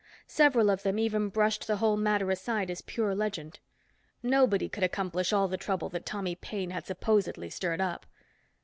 Several of them even brushed the whole matter aside as pure legend. Nobody could accomplish all the trouble that Tommy Paine had supposedly stirred up.